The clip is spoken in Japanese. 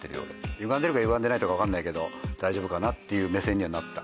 ゆがんでるかゆがんでないとかわかんないけど大丈夫かなっていう目線にはなった。